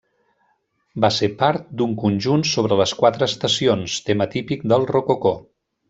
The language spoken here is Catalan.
Va ser part d'un conjunt sobre les quatre estacions, tema típic del rococó.